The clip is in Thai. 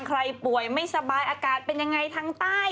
ใครป่วยไม่สบายอากาศเป็นยังไงทางใต้